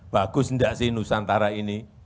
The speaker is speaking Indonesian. bagus enggak sih nusantara ini